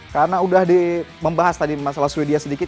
karena sudah membahas tadi masalah sweden sedikit